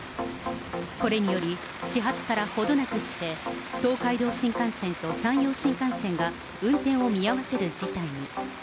これにより、始発からほどなくして、東海道新幹線と山陽新幹線が、運転を見合わせる事態に。